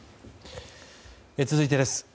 続いてです。